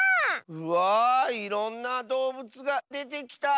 うわいろんなどうぶつがでてきた！